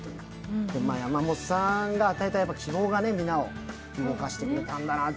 でも山本さんの与えた希望がみんなを動かしてくれたんだなと。